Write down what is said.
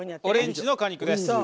オレンジの果肉です。